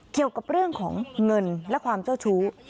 เกี่ยวกับเรื่องของเงินและความเจ้าชู้